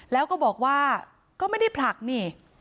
แล้วก็บอกว่าก็ไม่ได้ผลักนี่